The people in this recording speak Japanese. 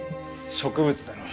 植物だろう？